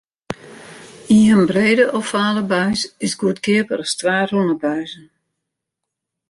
Ien brede ovale buis is goedkeaper as twa rûne buizen.